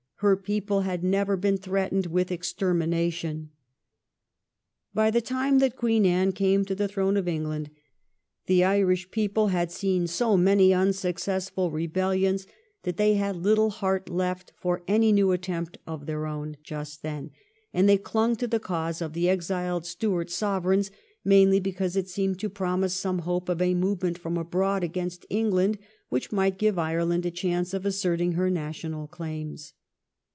Her people had never been threatened with extermination. By the time that Queen Anne came to the throne of England the Irish people had seen so many unsuc cessful rebellions that they had little heart left for any new attempt of their own, just then, and they clung to the cause of the exiled Stuart Sovereigns mainly because it seemed to promise some hope of a move ment from abroad against England which might give Ireland a chance of asserting her national claims.